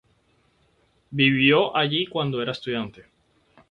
Vivió allí cuando era estudiante.